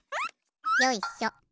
よいしょ。